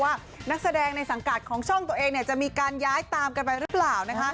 ว่านักแสดงในสังกัดของช่องตัวเองจะมีการย้ายตามกันไปหรือเปล่า